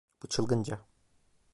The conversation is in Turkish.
Bu çılgınca.